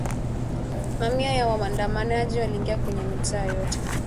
Mamia ya waandamanaji waliingia kwenye mitaa yote